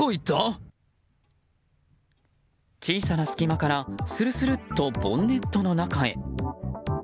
小さな隙間からするするっとボンネットの中へ。